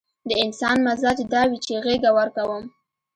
د انسان مزاج دا وي چې غېږه ورکوم.